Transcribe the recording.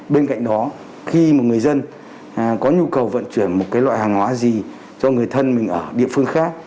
bên cạnh đó khi mà người dân có nhu cầu vận chuyển một loại hàng hóa gì cho người thân mình ở địa phương khác